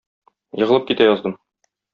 Егылып китә яздым.